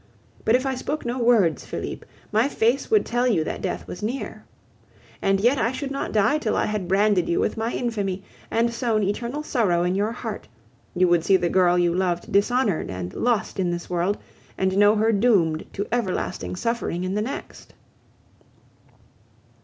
But if I spoke no words, Felipe, my face would tell you that death was near. And yet I should not die till I had branded you with infamy, and sown eternal sorrow in your heart; you would see the girl you loved dishonored and lost in this world, and know her doomed to everlasting suffering in the next.